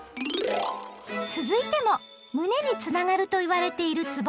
続いても胸につながるといわれているつぼ